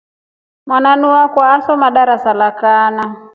Mwananu akwa esoma darasa la nne.